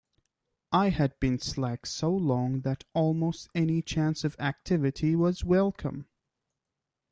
I had been slack so long that almost any chance of activity was welcome.